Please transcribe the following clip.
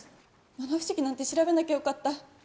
七不思議なんて調べなきゃよかった。